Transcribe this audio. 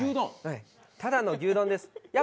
ただの牛丼です